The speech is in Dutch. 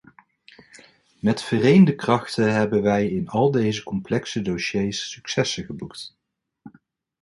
Met vereende krachten hebben wij in al deze complexe dossiers successen geboekt.